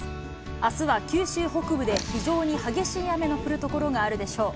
あすは九州北部で非常に激しい雨の降る所があるでしょう。